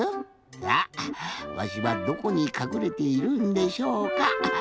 ほらわしはどこにかくれているんでしょうか。